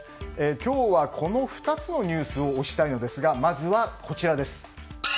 今日はこの２つのニュースを推したいのですがまずはこちらです。